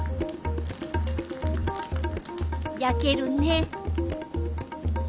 焼けるね。